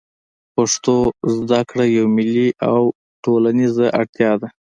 پښتو زده کړه یوه ملي او ټولنیزه اړتیا ده